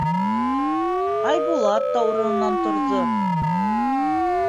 Айбулат та урынынан торҙо.